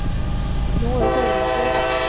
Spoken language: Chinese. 农委会已修法